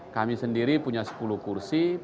kami sendiri punya sepuluh kursi